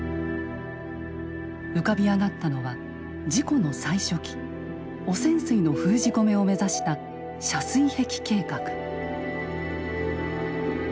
浮かび上がったのは事故の最初期汚染水の封じ込めを目指した遮水壁計画。